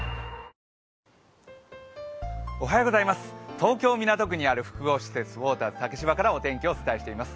東京港区にある複合施設、ウォーターズ竹芝からお天気をお伝えしています。